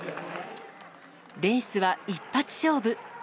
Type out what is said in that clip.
レースは一発勝負。